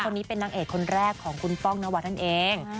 คนนี้เป็นนางเอกคนแรกของคุณป้องนวัดนั่นเอง